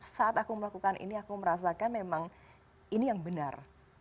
saat aku melakukan ini aku merasakan memang ini yang benar